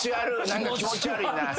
何か気持ち悪いな。